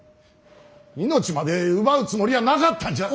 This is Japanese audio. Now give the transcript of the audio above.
命まで奪うつもりはなかったんじゃ。